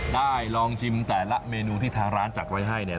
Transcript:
ลองชิมแต่ละเมนูที่ทางร้านจัดไว้ให้เนี่ย